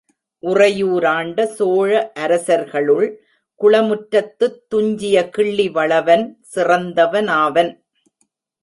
உறையூரையாண்ட சோழ அரசர்களுள் குளமுற்றத்துத் துஞ்சிய கிள்ளி வளவன் சிறந்தவனாவன்.